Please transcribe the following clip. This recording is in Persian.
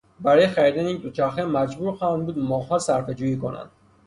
برای خریدن یک دوچرخه مجبور خواهند بود ماهها صرفهجویی کنند.